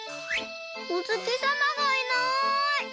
おつきさまがいない！